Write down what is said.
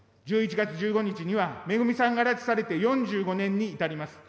１１月１５日には、めぐみさんが拉致されて４５年に至ります。